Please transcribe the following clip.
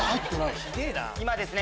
今ですね